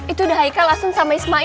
itu udah haikal langsung sama ismail